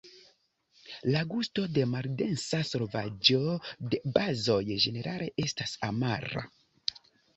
La gusto de maldensa solvaĵo de bazoj ĝenerale estas amara.